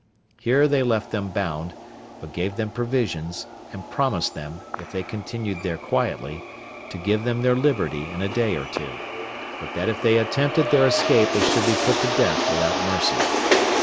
Here they left them bound, but gave them provisions; and promised them, if they continued there quietly, to give them their liberty in a day or two; but that if they attempted their escape they should be put to death without mercy.